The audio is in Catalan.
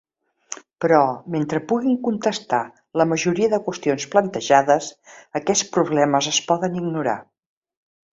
Però, mentre puguin contestar la majoria de qüestions plantejades, aquests problemes es poden ignorar.